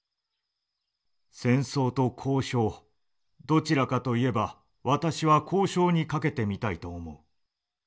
戦争と交渉どちらかといえば私は交渉に懸けてみたいと思う。